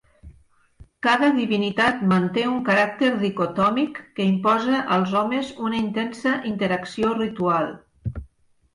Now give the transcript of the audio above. Cada divinitat manté un caràcter dicotòmic que imposa als homes una intensa interacció ritual.